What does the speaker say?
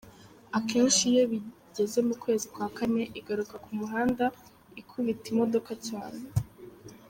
Akenshi iyo bigeze mu kwezi kwa kane igaruka ku muhanda, ikubita imodoka cyane.